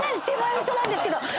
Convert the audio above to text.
手前みそなんですけど。